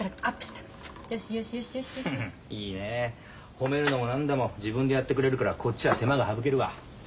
褒めるのも何でも自分でやってくれるからこっちは手間が省けるわ。